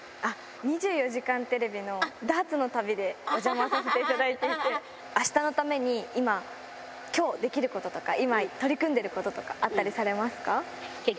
２４時間テレビのダーツの旅でお邪魔させていただいていて、明日のために、今、今日できることとか、今取り組んでることとか、あったりされますか？